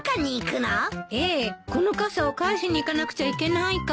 ええこの傘を返しに行かなくちゃいけないから。